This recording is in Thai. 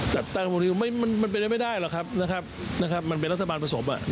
จัดตั้งรัฐบาลไม่ได้มันเป็นรัฐบาลผสม